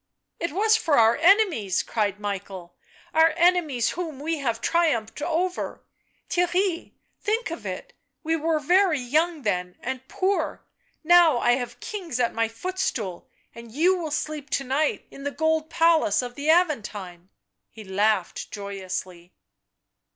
"It was for our enemies!" cried Michael; "our enemies whom we have triumphed over ; Theirry, think of it, we were very young then, and poor — now I have kings at my footstool, and you will sleep to night in the Golden Palace of the Aventine !" He laughed joyously.